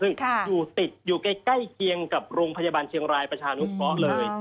ซึ่งอยู่ติดอยู่ใกล้เคียงกับโรงพยาบาลเชียงรายประชานุเคราะห์เลย